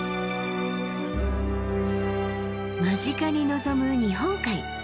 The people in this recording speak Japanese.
間近に望む日本海。